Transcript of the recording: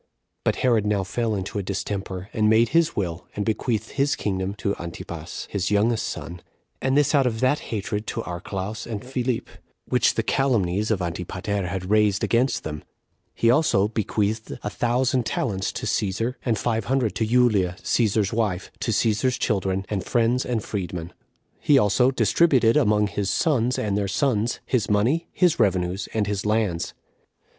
But Herod now fell into a distemper, and made his will, and bequeathed his kingdom to [Antipas], his youngest son; and this out of that hatred to Archelaus and Philip, which the calumnies of Antipater had raised against them. He also bequeathed a thousand talents to Cæsar, and five hundred to Julia, Cæsar's wife, to Cæsar's children, and friends and freed men. He also distributed among his sons and their sons his money, his revenues, and his lands.